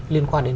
liên quan đến